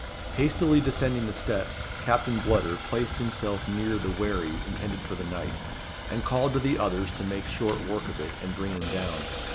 Hastily descending the steps, Captain Bludder placed himself near the wherry intended for the knight, and called to the others to make short work of it and bring him down.